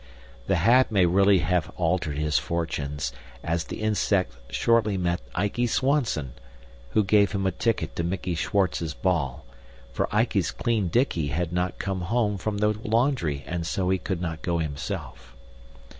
The hat may really have altered his fortunes, as the Insect shortly met Ikey Swanson, who gave him a ticket to Mickey Schwartz's ball; for Ikey's clean dickey had not come home from the laundry, and so he could not go himself.